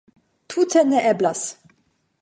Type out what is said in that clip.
Tute neeblas.